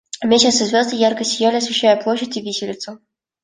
Месяц и звезды ярко сияли, освещая площадь и виселицу.